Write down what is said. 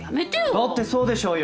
だってそうでしょうよ。